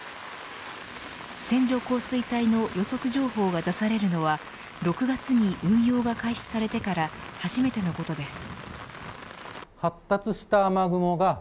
線状降水帯の予測情報が出されるのは６月に運用が開始されてから初めてのことです。